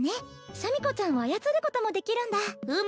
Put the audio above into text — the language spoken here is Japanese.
シャミ子ちゃんを操ることもできるんだうむ